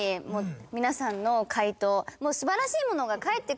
皆さんの回答もう。